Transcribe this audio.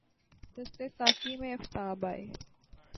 دست ساقی میں آفتاب آئے